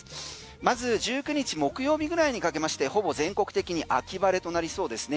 まず、１９日木曜日ぐらいにかけましてほぼ全国的に秋晴れとなりそうですね